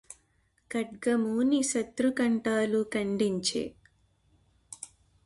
ఖడ్గమూని శతృకంఠాలు ఖండించె